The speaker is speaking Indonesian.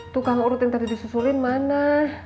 tukang urut yang tadi disusulin mana